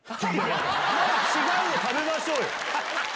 違うの食べましょうよ。